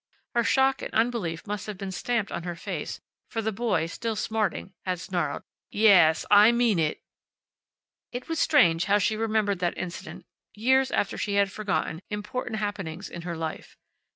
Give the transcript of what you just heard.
Her shock and unbelief must have been stamped on her face, for the boy, still smarting, had snarled, "Ya as, I mean it." It was strange how she remembered that incident years after she had forgotten important happenings in her life.